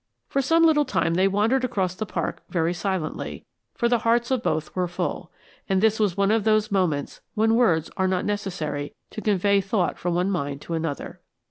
For some little time they wandered across the park very silently, for the hearts of both were full, and this was one of those moments when words are not necessary to convey thought from one mind to another.